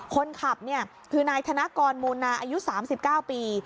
คนขับคือนายธนกรมูนาอายุ๓๙ปี